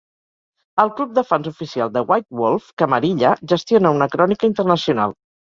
El club de fans oficial de White Wolf, "Camarilla", gestiona una crònica internacional.